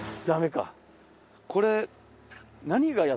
これ。